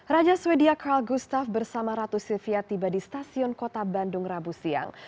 raja swedia karl gustav bersama ratu sylvia tiba di stasiun kota bandung rabu siang